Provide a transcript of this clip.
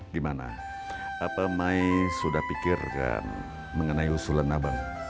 gimana apa mai sudah pikirkan mengenai usulan abang